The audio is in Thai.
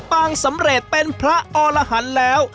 งสำเร็จเป็นพระอรหันต์แล้ว